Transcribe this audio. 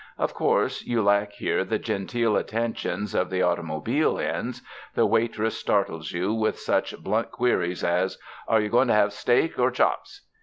Of course, you lack here the genteel attentions of the automobile inns ; the waitress startles you with such blunt queries as, "Are you going to have steak or chops?"